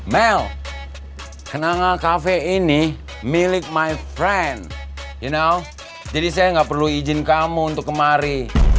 mel kenangan kafe ini milik my friend you know jadi saya gak perlu izin kamu untuk kemari